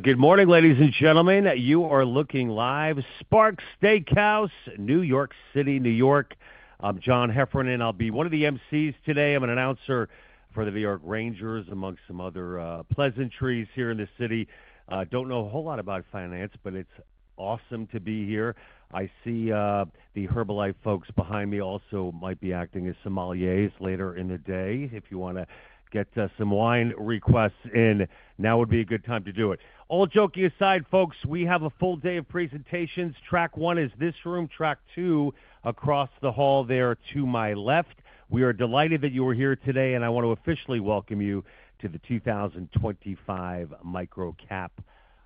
Good morning, ladies and gentlemen. You are looking live, Sparks Steakhouse, New York City, New York. I'm John Heffernan. I'll be one of the emcees today. I'm an announcer for the New York Rangers, amongst some other pleasantries here in the city. I don't know a whole lot about finance, but it's awesome to be here. I see the Herbalife folks behind me also might be acting as sommeliers later in the day. If you wanna get some wine requests in, now would be a good time to do it. All joking aside, folks, we have a full day of presentations. Track one is this room. Track two, across the hall there to my left. We are delighted that you are here today, and I wanna officially welcome you to the 2025 MicroCap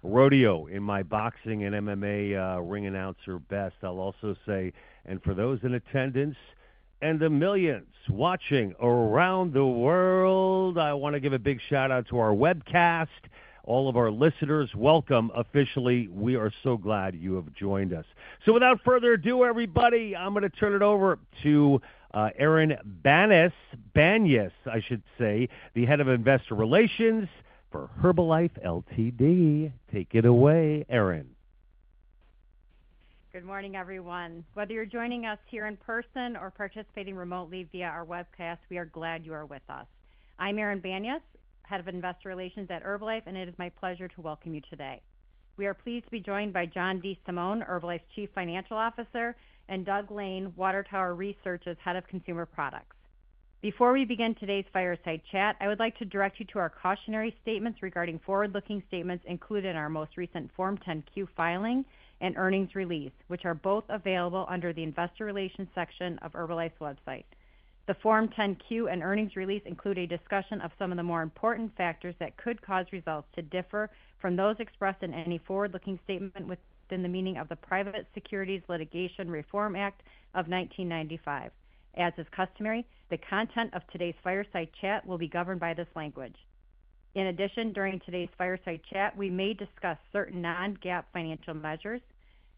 Rodeo. In my boxing and MMA, ring announcer best, I'll also say, and for those in attendance and the millions watching around the world, I wanna give a big shout-out to our webcast. All of our listeners, welcome officially. We are so glad you have joined us. Without further ado, everybody, I'm gonna turn it over to Erin Banyas, I should say, the Head of Investor Relations for Herbalife Ltd. Take it away, Erin. Good morning, everyone. Whether you're joining us here in person or participating remotely via our webcast, we are glad you are with us. I'm Erin Banyas, Head of Investor Relations at Herbalife, and it is my pleasure to welcome you today. We are pleased to be joined by John DeSimone, Herbalife's Chief Financial Officer, and Doug Lane, Water Tower Research's Head of Consumer Products. Before we begin today's fireside chat, I would like to direct you to our cautionary statements regarding forward-looking statements included in our most recent Form 10-Q filing and earnings release, which are both available under the investor relations section of Herbalife's website. The Form 10-Q and earnings release include a discussion of some of the more important factors that could cause results to differ from those expressed in any forward-looking statement within the meaning of the Private Securities Litigation Reform Act of 1995. As is customary, the content of today's fireside chat will be governed by this language. In addition, during today's fireside chat, we may discuss certain non-GAAP financial measures.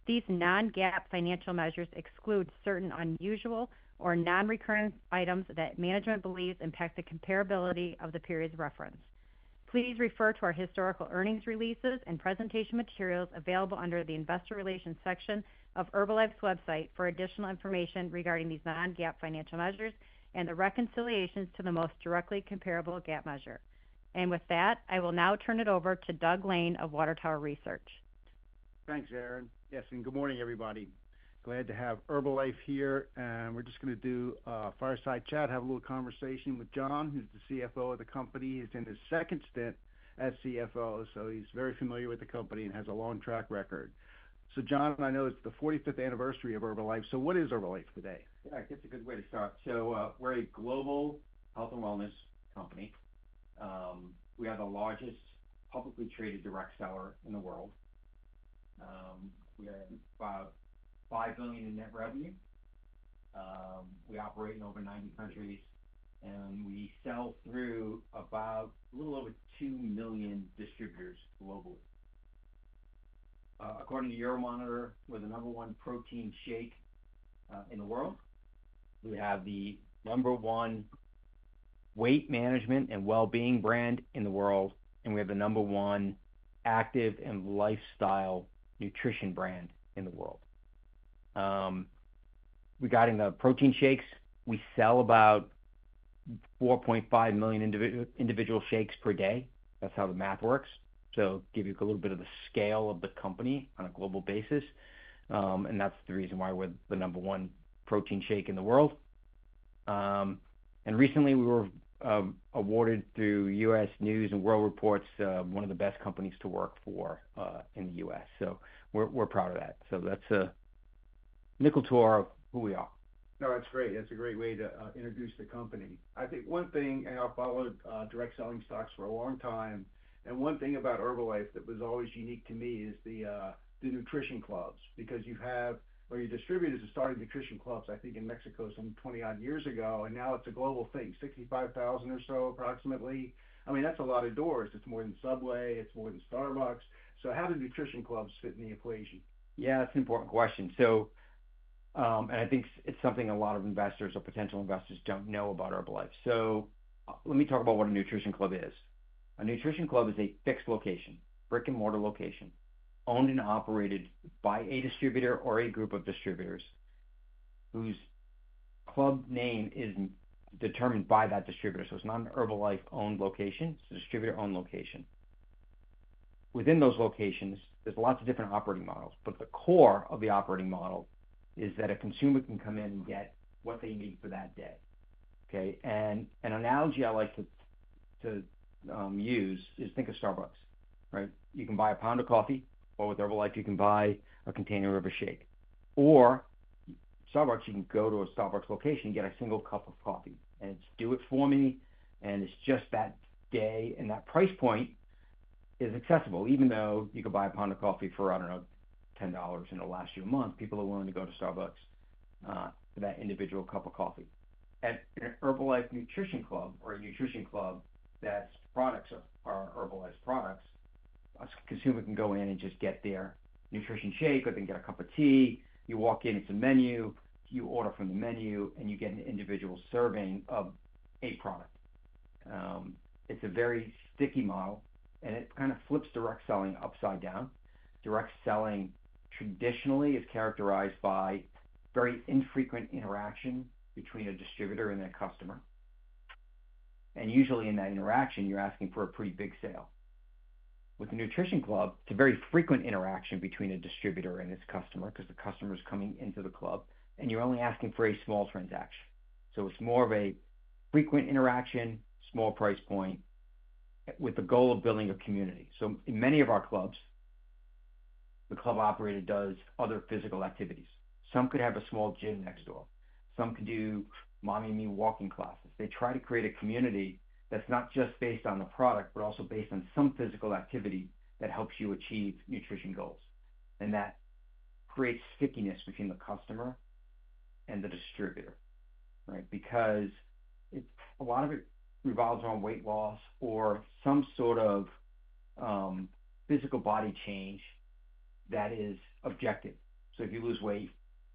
These non-GAAP financial measures exclude certain unusual or non-recurring items that management believes impact the comparability of the periods referenced. Please refer to our historical earnings releases and presentation materials available under the investor relations section of Herbalife's website for additional information regarding these non-GAAP financial measures and the reconciliations to the most directly comparable GAAP measure. I will now turn it over to Doug Lane of Water Tower Research. Thanks, Erin. Yes, and good morning, everybody. Glad to have Herbalife here. We're just gonna do a fireside chat, have a little conversation with John, who's the CFO of the company. He's in his second stint as CFO, so he's very familiar with the company and has a long track record. So John, I know it's the 45th anniversary of Herbalife. What is Herbalife today? Yeah, I guess a good way to start. So, we're a global health and wellness company. We have the largest publicly traded direct seller in the world. We are about $5 billion in net revenue. We operate in over 90 countries, and we sell through about a little over 2 million distributors globally. According to Euromonitor, we're the number one protein shake in the world. We have the number one weight management and well-being brand in the world, and we have the number one active and lifestyle nutrition brand in the world. Regarding the protein shakes, we sell about 4.5 million individual shakes per day. That's how the math works. To give you a little bit of the scale of the company on a global basis. That's the reason why we're the number one protein shake in the world. and recently we were awarded through U.S. News & World Report one of the best companies to work for in the U.S. We are proud of that. That is a nickel tour of who we are. No, that's great. That's a great way to introduce the company. I think one thing, and I've followed direct selling stocks for a long time, and one thing about Herbalife that was always unique to me is the Nutrition Clubs, because you have where your distributors are starting Nutrition Clubs, I think in Mexico some 20-odd years ago, and now it's a global thing, 65,000 or so approximately. I mean, that's a lot of doors. It's more than Subway. It's more than Starbucks. How do Nutrition Clubs fit in the equation? Yeah, that's an important question. I think it's something a lot of investors or potential investors don't know about Herbalife. Let me talk about what a Nutrition Club is. A Nutrition Club is a fixed location, brick-and-mortar location, owned and operated by a distributor or a group of distributors whose club name is determined by that distributor. It's not an Herbalife-owned location. It's a distributor-owned location. Within those locations, there's lots of different operating models, but the core of the operating model is that a consumer can come in and get what they need for that day. An analogy I like to use is think of Starbucks, right? You can buy a pound of coffee, or with Herbalife you can buy a container of a shake. Or Starbucks, you can go to a Starbucks location and get a single cup of coffee, and it's do it for me, and it's just that day, and that price point is accessible. Even though you can buy a pound of coffee for, I don't know, $10 in the last few months, people are willing to go to Starbucks for that individual cup of coffee. At an Herbalife Nutrition Club or a Nutrition Club that's products are Herbalife's products, a consumer can go in and just get their nutrition shake, or they can get a cup of tea. You walk in, it's a menu. You order from the menu, and you get an individual serving of a product. It's a very sticky model, and it kind of flips direct selling upside down. Direct selling traditionally is characterized by very infrequent interaction between a distributor and their customer. Usually in that interaction, you're asking for a pretty big sale. With the Nutrition Club, it's a very frequent interaction between a distributor and its customer 'cause the customer's coming into the club, and you're only asking for a small transaction. It's more of a frequent interaction, small price point, with the goal of building a community. In many of our clubs, the club operator does other physical activities. Some could have a small gym next door. Some could do mommy and me walking classes. They try to create a community that's not just based on the product, but also based on some physical activity that helps you achieve nutrition goals. That creates stickiness between the customer and the distributor, right? Because a lot of it revolves around weight loss or some sort of physical body change that is objective. If you lose weight,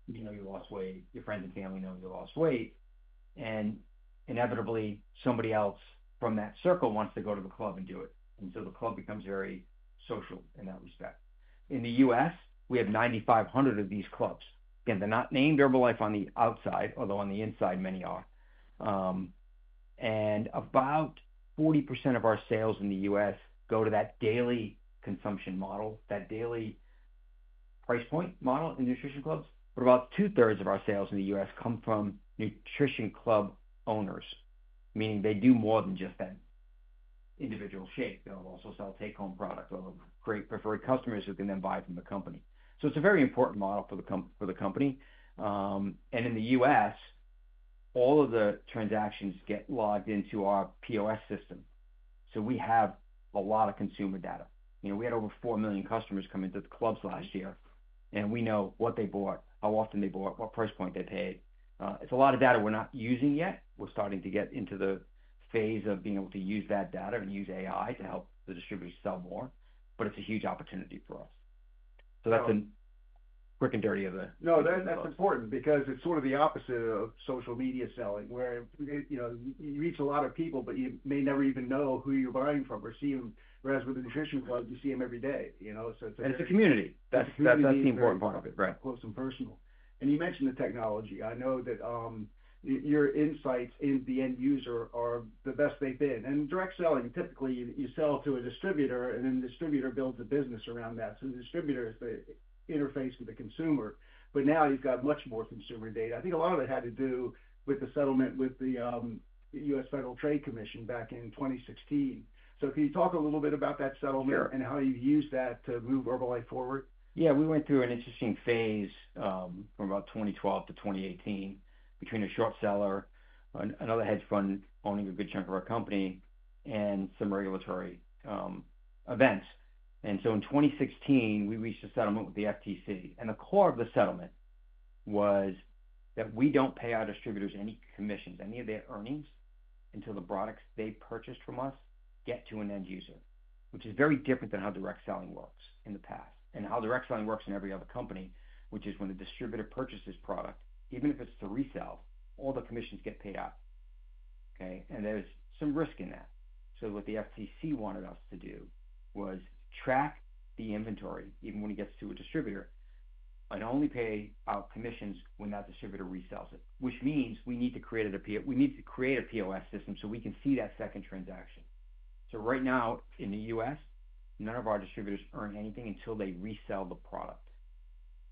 you know you lost weight. Your friends and family know you lost weight. And inevitably, somebody else from that circle wants to go to the club and do it. The club becomes very social in that respect. In the U.S., we have 9,500 of these clubs. Again, they're not named Herbalife on the outside, although on the inside many are. About 40% of our sales in the U.S. go to that daily consumption model, that daily price point model in Nutrition Clubs. About 2/3 of our sales in the U.S. come from Nutrition Club owners, meaning they do more than just that individual shake. They'll also sell take-home products or create preferred customers who can then buy from the company. It's a very important model for the company. In the U.S., all of the transactions get logged into our POS system. So we have a lot of consumer data. You know, we had over 4 million customers come into the clubs last year, and we know what they bought, how often they bought, what price point they paid. it's a lot of data we're not using yet. We're starting to get into the phase of being able to use that data and use AI to help the distributors sell more. But it's a huge opportunity for us. So that's a quick and [dirty of the.] No, that's important because it's sort of the opposite of social media selling where, you know, you reach a lot of people, but you may never even know who you're buying from or see them. Whereas with the Nutrition Club, you see them every day, you know? So it's a. It's a community. That's the important part of it, right? Close and personal. You mentioned the technology. I know that your insights in the end user are the best they've been. In direct selling, typically you sell to a distributor, and then the distributor builds a business around that. The distributor is the interface with the consumer. Now you've got much more consumer data. I think a lot of it had to do with the settlement with the U.S. Federal Trade Commission back in 2016. Can you talk a little bit about that settlement? Sure. How you've used that to move Herbalife forward? Yeah, we went through an interesting phase, from about 2012-2018 between a short seller, another hedge fund owning a good chunk of our company, and some regulatory events. In 2016, we reached a settlement with the FTC. The core of the settlement was that we do not pay our distributors any commissions, any of their earnings, until the products they purchased from us get to an end user, which is very different than how direct selling worked in the past. And how direct selling works in every other company, which is when the distributor purchases product, even if it is to resell, all the commissions get paid out. Okay? There is some risk in that. What the FTC wanted us to do was track the inventory even when it gets to a distributor and only pay out commissions when that distributor resells it, which means we need to create a PO, we need to create a POS system so we can see that second transaction. Right now in the U.S., none of our distributors earn anything until they resell the product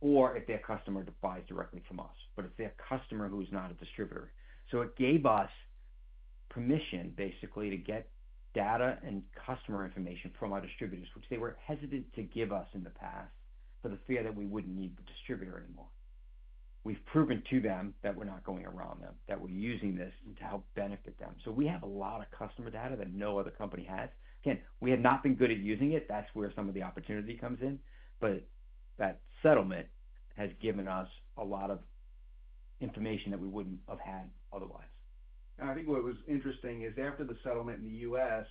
or if their customer buys directly from us, but it is their customer who is not a distributor. It gave us permission basically to get data and customer information from our distributors, which they were hesitant to give us in the past for the fear that we would not need the distributor anymore. We have proven to them that we are not going around them, that we are using this to help benefit them. We have a lot of customer data that no other company has. Again, we have not been good at using it. That is where some of the opportunity comes in. That settlement has given us a lot of information that we would not have had otherwise. I think what was interesting is after the settlement in the U.S.,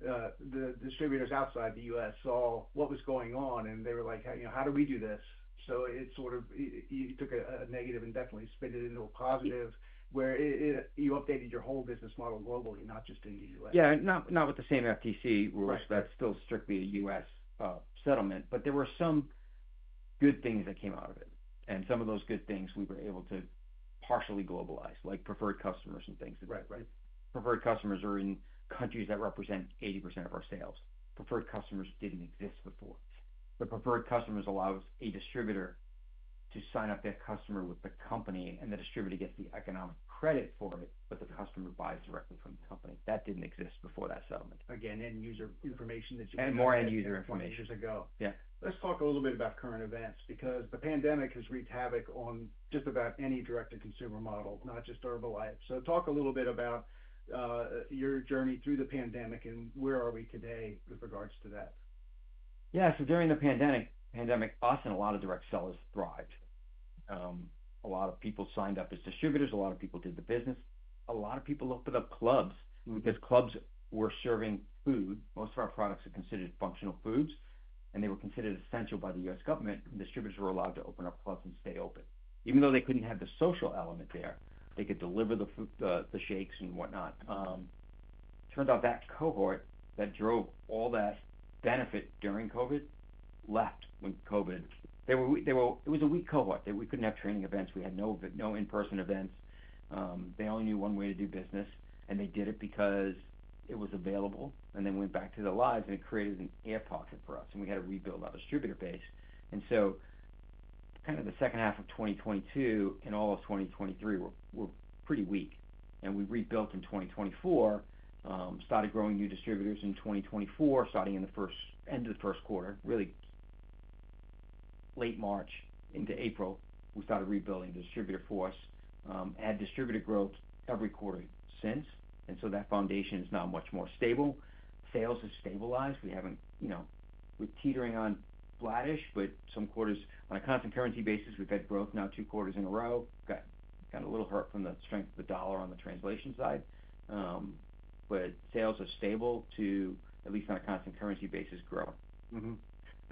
the distributors outside the U.S. saw what was going on, and they were like, "How do we do this?" It sort of, you took a negative and definitely split it into a positive where you updated your whole business model globally, not just in the U.S. Yeah, not, not with the same FTC rules. That is still strictly a U.S. settlement. There were some good things that came out of it. Some of those good things we were able to partially globalize, like preferred customers and things like that. Right, right. Preferred customers are in countries that represent 80% of our sales. Preferred customers didn't exist before. The preferred customers allows a distributor to sign up their customer with the company, and the distributor gets the economic credit for it, but the customer buys directly from the company. That didn't exist before that settlement. Again, end user information that you. More end user information. A few years ago. Yeah. Let's talk a little bit about current events because the pandemic has wreaked havoc on just about any direct-to-consumer model, not just Herbalife. Talk a little bit about your journey through the pandemic and where are we today with regards to that? Yeah, so during the pandemic, pandemic, us and a lot of direct sellers thrived. A lot of people signed up as distributors. A lot of people did the business. A lot of people opened up clubs because clubs were serving food. Most of our products are considered functional foods, and they were considered essential by the U.S. government. Distributors were allowed to open up clubs and stay open. Even though they could not have the social element there, they could deliver the food, the shakes and whatnot. Turned out that cohort that drove all that benefit during COVID left when COVID. They were weak, it was a weak cohort. We could not have training events. We had no in-person events. They only knew one way to do business, and they did it because it was available, and then went back to their lives, and it created an air pocket for us, and we had to rebuild our distributor base. Kind of the second half of 2022 and all of 2023 were pretty weak. We rebuilt in 2024, started growing new distributors in 2024, starting in the end of the first quarter, really late March into April, we started rebuilding the distributor force. Had distributor growth every quarter since. That foundation is now much more stable. Sales have stabilized. We have not, you know, we are teetering on flattish, but some quarters on a constant currency basis, we have had growth now two quarters in a row. Got kind of a little hurt from the strength of the dollar on the translation side. Sales are stable to, at least on a constant currency basis, growing.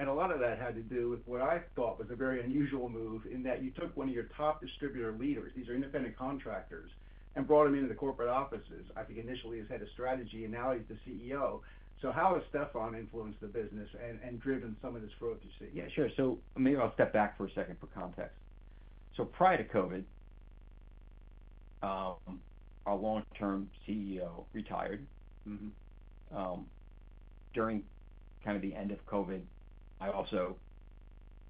Mm-hmm. A lot of that had to do with what I thought was a very unusual move in that you took one of your top distributor leaders, these are independent contractors, and brought him into the corporate offices. I think initially he was head of strategy, and now he's the CEO. How has Stephan influenced the business and driven some of this growth you see? Yeah, sure. Maybe I'll step back for a second for context. Prior to COVID, our long-term CEO retired. Mm-hmm. During kind of the end of COVID, I also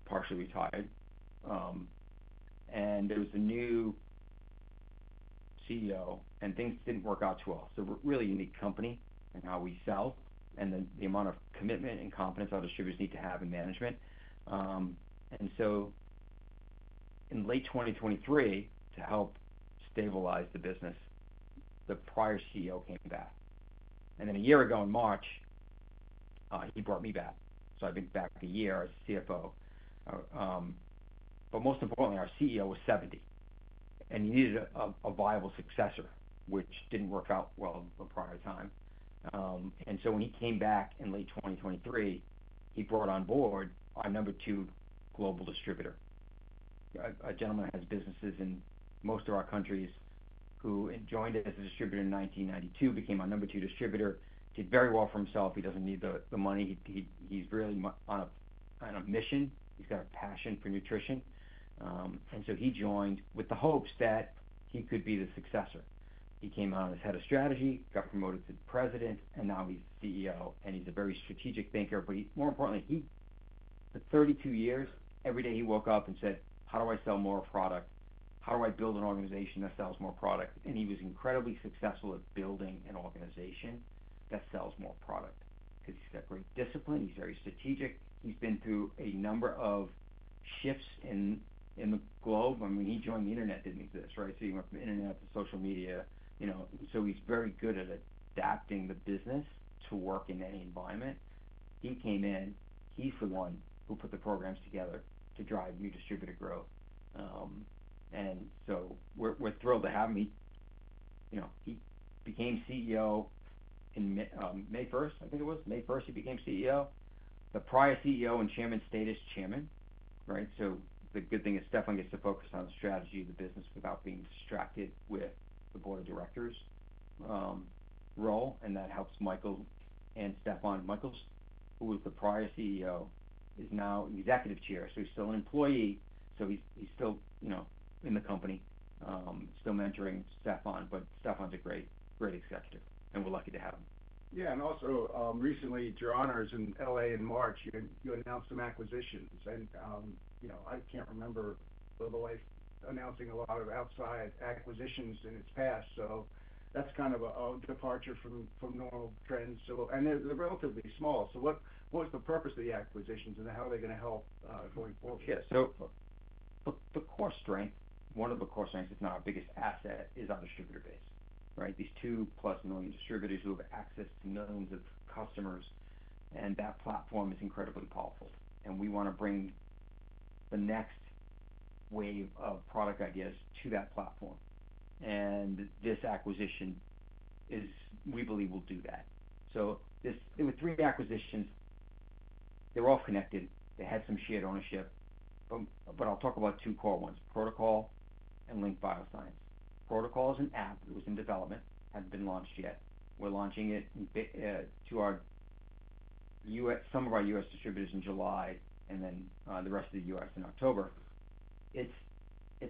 partially retired. And there was the new CEO, and things did not work out too well. We are really a unique company in how we sell and the amount of commitment and confidence our distributors need to have in management. In late 2023, to help stabilize the business, the prior CEO came back. A year ago in March, he brought me back. I have been back a year as CFO. Most importantly, our CEO was 70, and he needed a viable successor, which did not work out well the prior time. When he came back in late 2023, he brought on board our number two global distributor. A gentleman has businesses in most of our countries who joined as a distributor in 1992, became our number two distributor, did very well for himself. He doesn't need the money. He's really on a mission. He's got a passion for nutrition, and so he joined with the hopes that he could be the successor. He came out as head of strategy, got promoted to president, and now he's CEO, and he's a very strategic thinker. More importantly, for 32 years, every day he woke up and said, "How do I sell more product? How do I build an organization that sells more product?" He was incredibly successful at building an organization that sells more product because he's got great discipline. He's very strategic. He's been through a number of shifts in the globe. I mean, he joined, the internet didn't exist, right? You went from internet to social media, you know? He's very good at adapting the business to work in any environment. He came in. He's the one who put the programs together to drive new distributor growth, and so we're thrilled to have him. He, you know, he became CEO on May 1st, I think it was. May 1st, he became CEO. The prior CEO in chairman status is chairman, right? The good thing is Stephan gets to focus on the strategy of the business without being distracted with the board of directors role. That helps Michael and Stephan. Michael, who was the prior CEO, is now executive chair. He's still an employee. He's still, you know, in the company, still mentoring Stephan. Stephan's a great, great executive, and we're lucky to have him. Yeah. Also, recently, John, I was in L.A. in March. You announced some acquisitions. You know, I can't remember Herbalife announcing a lot of outside acquisitions in its past. That is kind of a departure from normal trends. They are relatively small. What was the purpose of the acquisitions and how are they going to help going forward? Yeah. The core strength, one of the core strengths, if not our biggest asset, is our distributor base, right? These two-plus million distributors who have access to millions of customers. That platform is incredibly powerful. We want to bring the next wave of product, I guess, to that platform. This acquisition is, we believe, will do that. There were three acquisitions. They were all connected. They had some shared ownership. I'll talk about two core ones: Pro2col and Link BioScience. Pro2col is an app that was in development, hadn't been launched yet. We're launching it to our U.S., some of our U.S. distributors in July and then the rest of the U.S. in October. It's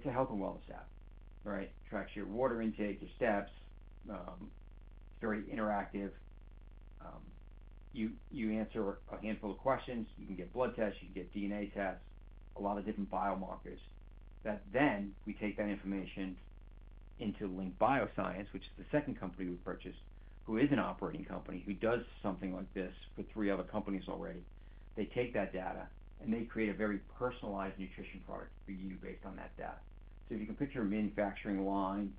a health and wellness app, right? It tracks your water intake, your steps, very interactive. You answer a handful of questions. You can get blood tests. You can get DNA tests, a lot of different biomarkers. That then we take that information into Link BioScience, which is the second company we purchased, who is an operating company who does something like this for three other companies already. They take that data and they create a very personalized nutrition product for you based on that data. If you can picture a manufacturing line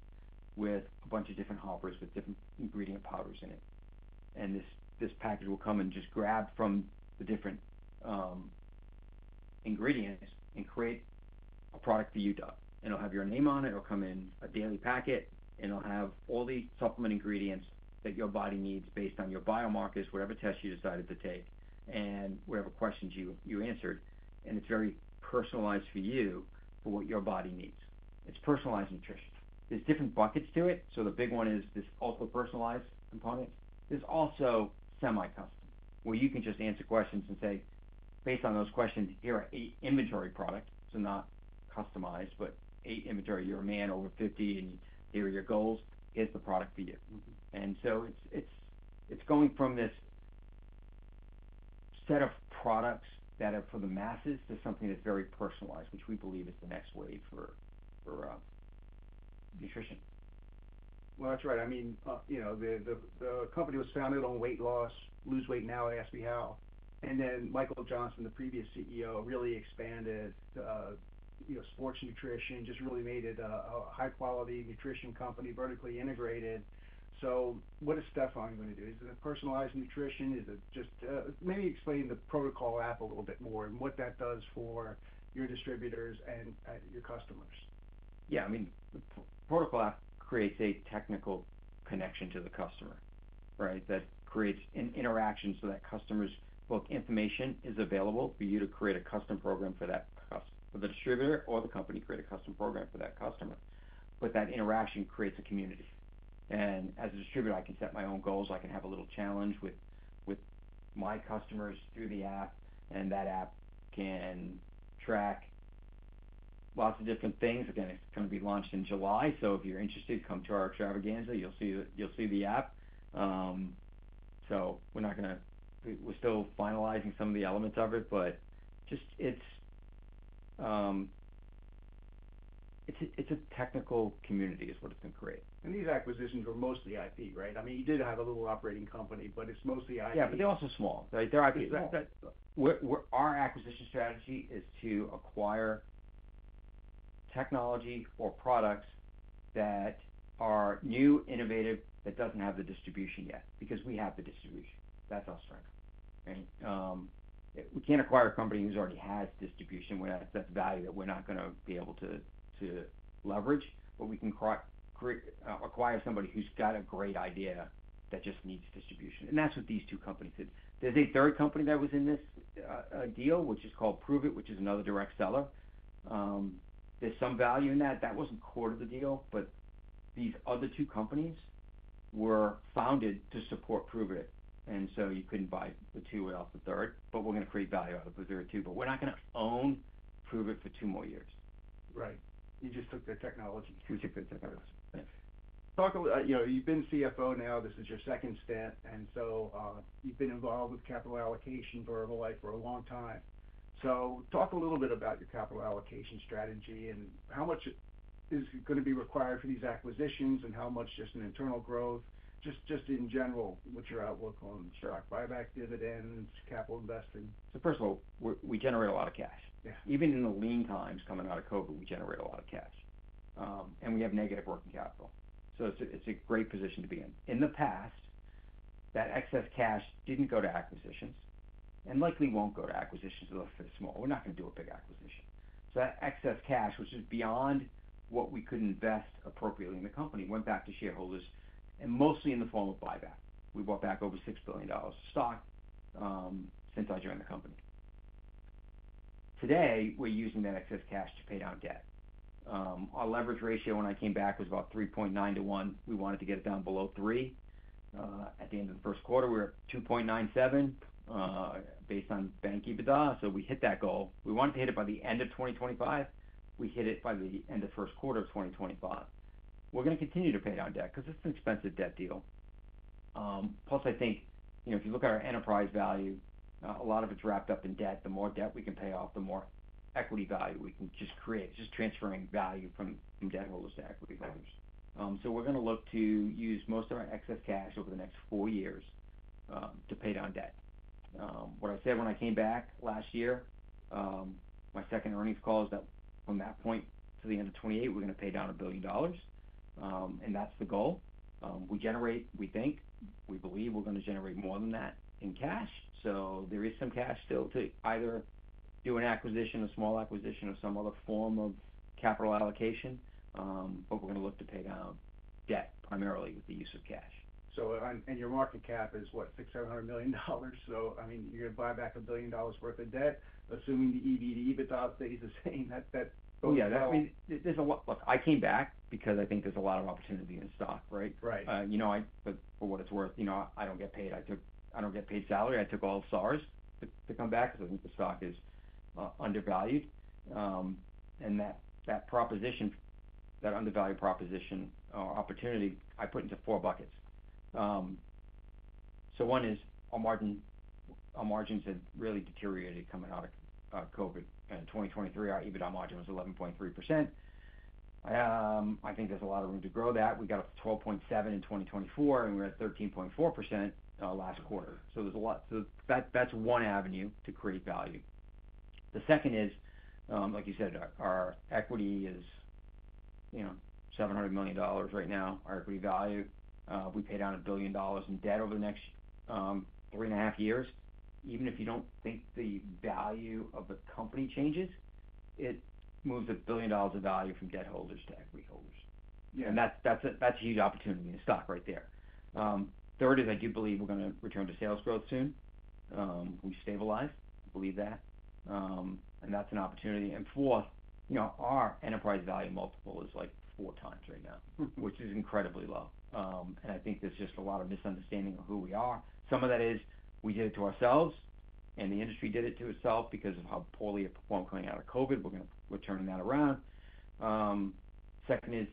with a bunch of different hoppers with different ingredient powders in it. This package will come and just grab from the different ingredients and create a product for you. It'll have your name on it. It'll come in a daily packet, and it'll have all the supplement ingredients that your body needs based on your biomarkers, whatever test you decided to take, and whatever questions you answered. It's very personalized for you for what your body needs. It's personalized nutrition. There's different buckets to it. The big one is this ultra-personalized component. There's also semi-custom where you can just answer questions and say, "Based on those questions, here are eight inventory products." Not customized, but eight inventory. You're a man over 50, and here are your goals. Here's the product for you. It's going from this set of products that are for the masses to something that's very personalized, which we believe is the next wave for nutrition. That's right. I mean, you know, the company was founded on weight loss. Lose weight now, ask me how. And then Michael Johnson, the previous CEO, really expanded sports nutrition, just really made it a high-quality nutrition company vertically integrated. What is Stephan going to do? Is it a personalized nutrition? Is it just maybe explain the Pro2col app a little bit more and what that does for your distributors and your customers? Yeah. I mean, the Pro2col app creates a technical connection to the customer, right? That creates an interaction so that customers' book information is available for you to create a custom program for that customer, for the distributor or the company to create a custom program for that customer. That interaction creates a community. As a distributor, I can set my own goals. I can have a little challenge with my customers through the app, and that app can track lots of different things. Again, it is going to be launched in July. If you are interested, come to our extravaganza. You will see the app. We are still finalizing some of the elements of it, but just it is a technical community is what it is going to create. These acquisitions were mostly IP, right? I mean, you did have a little operating company, but it's mostly IP. Yeah, but they're also small. They're IP. Our acquisition strategy is to acquire technology or products that are new, innovative, that doesn't have the distribution yet because we have the distribution. That's our strength. We can't acquire a company who already has distribution. That's value that we're not going to be able to leverage. We can acquire somebody who's got a great idea that just needs distribution. That's what these two companies did. There's a third company that was in this deal, which is called Prüvit, which is another direct seller. There's some value in that. That wasn't core to the deal, but these other two companies were founded to support Prüvit. You couldn't buy the two without the third. We're going to create value out of the very two. We're not going to own Prüvit for two more years. Right. You just took their technology. We took their technology. You've been CFO now. This is your second step. And so you've been involved with capital allocation for Herbalife for a long time. So talk a little bit about your capital allocation strategy and how much is going to be required for these acquisitions and how much just in internal growth, just in general, what your outlook on stock buyback dividends, capital investing. First of all, we generate a lot of cash. Even in the lean times coming out of COVID, we generate a lot of cash. We have negative working capital. It is a great position to be in. In the past, that excess cash did not go to acquisitions and likely will not go to acquisitions unless they are small. We are not going to do a big acquisition. That excess cash, which is beyond what we could invest appropriately in the company, went back to shareholders and mostly in the form of buyback. We bought back over $6 billion of stock since I joined the company. Today, we are using that excess cash to pay down debt. Our leverage ratio when I came back was about 3.9-1. We wanted to get it down below 3. At the end of the first quarter, we were at 2.97 based on bank EBITDA. We hit that goal. We wanted to hit it by the end of 2025. We hit it by the end of first quarter of 2025. We're going to continue to pay down debt because it's an expensive debt deal. Plus, I think if you look at our enterprise value, a lot of it's wrapped up in debt. The more debt we can pay off, the more equity value we can just create, just transferring value from debt holders to equity holders. We're going to look to use most of our excess cash over the next four years to pay down debt. What I said when I came back last year, my second earnings call is that from that point to the end of 2028, we're going to pay down $1 billion. That's the goal. We generate, we think, we believe we're going to generate more than that in cash. There is some cash still to either do an acquisition, a small acquisition, or some other form of capital allocation. We're going to look to pay down debt primarily with the use of cash. And your market cap is what, $600 million, $700 million? I mean, you're going to buyback $1 billion worth of debt, assuming the EBITDA stays the same. Oh yeah. There's a lot. Look, I came back because I think there's a lot of opportunity in stock, right? Right. You know, for what it's worth, you know, I don't get paid. I don't get paid salary. I took all the SARs to come back because I think the stock is undervalued. And that proposition, that undervalued proposition or opportunity, I put into four buckets. One is our margins had really deteriorated coming out of COVID. In 2023, our EBITDA margin was 11.3%. I think there's a lot of room to grow that. We got up to 12.7% in 2024, and we were at 13.4% last quarter. There's a lot. That's one avenue to create value. The second is, like you said, our equity is, you know, $700 million right now, our equity value. We pay down $1 billion in debt over the next three and a half years. Even if you do not think the value of the company changes, it moves $1 billion of value from debt holders to equity holders. That is a huge opportunity in stock right there. Third is I do believe we are going to return to sales growth soon. We stabilized. I believe that. That is an opportunity. Fourth, you know, our enterprise value multiple is like four times right now, which is incredibly low. I think there is just a lot of misunderstanding of who we are. Some of that is we did it to ourselves and the industry did it to itself because of how poorly it performed coming out of COVID. We are turning that around. Second is,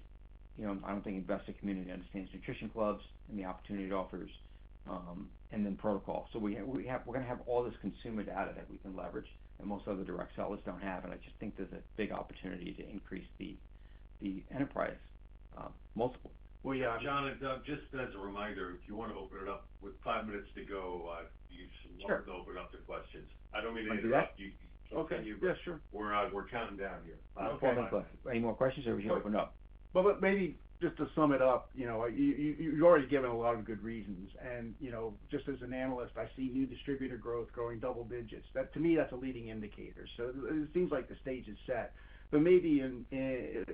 you know, I do not think the investor community understands Nutrition Clubs and the opportunity it offers and then Pro2col. We're going to have all this consumer data that we can leverage that most other direct sellers don't have. I just think there's a big opportunity to increase the enterprise multiple. Well, yeah. John, just as a reminder, if you want to open it up, we have five minutes to go. You should open up to questions. I do not mean to interrupt. Okay. Yeah, sure. We're counting down here. Okay. Any more questions or we can open it up? Maybe just to sum it up, you know, you've already given a lot of good reasons. You know, just as an analyst, I see new distributor growth growing double digits. To me, that's a leading indicator. It seems like the stage is set. Maybe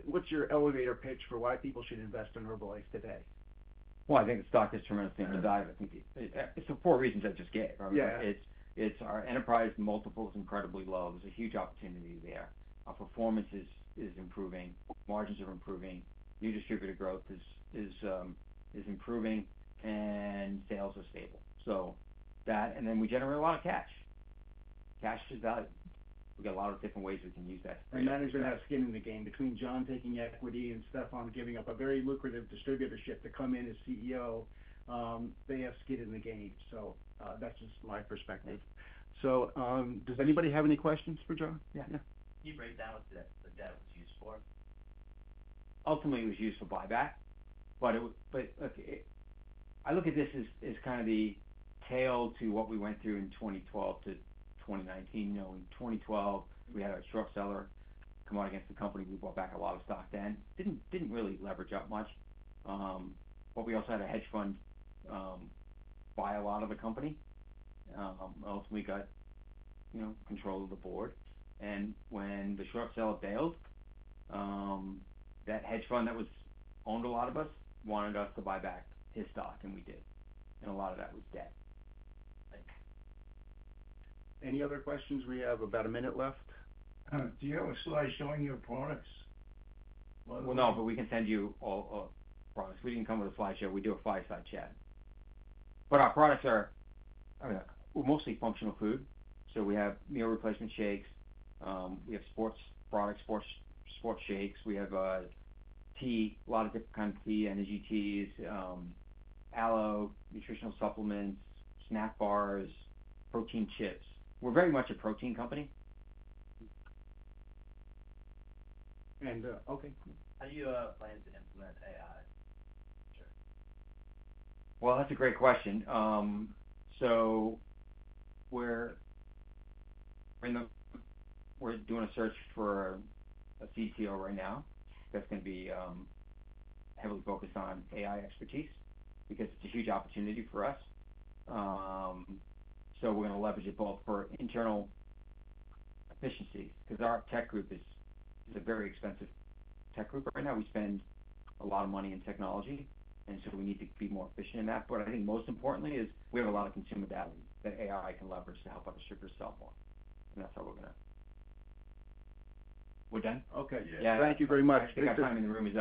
what's your elevator pitch for why people should invest in Herbalife today? I think the stock is tremendously undervalued. I think it's the four reasons I just gave. Our enterprise multiple is incredibly low. There's a huge opportunity there. Our performance is improving. Margins are improving. New distributor growth is improving. Sales are stable. That, and then we generate a lot of cash. Cash is value. We've got a lot of different ways we can use that. Management has skin in the game between John taking equity and Stephan giving up a very lucrative distributorship to come in as CEO. They have skin in the game. That is just my perspective. Does anybody have any questions for John? Yeah. Can you break down what the debt was used for? Ultimately, it was used for buyback. I look at this as kind of the tail to what we went through in 2012-2019. In 2012, we had a short seller come out against the company. We bought back a lot of stock then. Did not really leverage up much. We also had a hedge fund buy a lot of the company. Ultimately, we got control of the board. When the short seller bailed, that hedge fund that owned a lot of us wanted us to buyback his stock, and we did. A lot of that was debt. Any other questions? We have about a minute left. Do you have a slide showing your products? No, but we can send you all products. We did not come with a slideshow. We do a fireside chat. Our products are mostly functional food. We have meal replacement shakes. We have sports products, sports shakes. We have tea, a lot of different kinds of tea, energy teas, aloe, nutritional supplements, snack bars, protein chips. We are very much a protein company. And okay. How do you plan to implement AI? That's a great question. We're doing a search for a CTO right now that's going to be heavily focused on AI expertise because it's a huge opportunity for us. We're going to leverage it both for internal efficiencies because our tech group is a very expensive tech group right now. We spend a lot of money in technology. We need to be more efficient in that. I think most importantly is we have a lot of consumer data that AI can leverage to help our distributors sell more. That's how we're going to. We're done? Okay. Yeah Thank you very much.